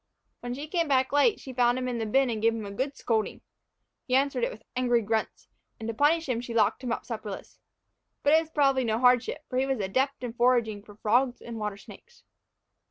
When she came back late, she found him in the bin and gave him a good scolding. He answered it with angry grunts, and to punish him she locked him up supperless. But it was probably no hardship, for he was an adept in foraging for frogs and water snakes.